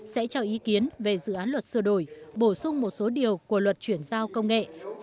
sẽ cho ý kiến về dự án luật sửa đổi bổ sung một số điều của luật chuyển giao công nghệ